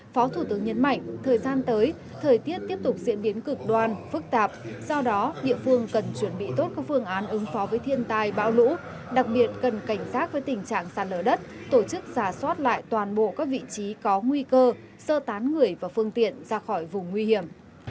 phó thủ tướng nhấn mạnh thời gian tới thời tiết tiếp tục diễn biến cực đoan phức tạp do đó địa phương cần chuẩn bị tốt các phương án ứng phó với thiên tai bão lũ đặc biệt cần cảnh sát với tình trạng sạt lở đất tổ chức giả soát lại toàn bộ các vị trí có nguy cơ sơ tán người và phương tiện ra khỏi vùng nguy hiểm